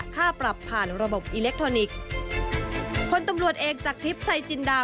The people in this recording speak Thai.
คนตำรวจเองจากทริปไชล์จินดา